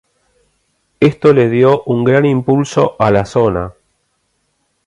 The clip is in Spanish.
Esto le dio un gran impulso a la zona.